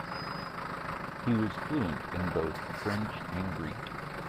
He was fluent in both French and Greek.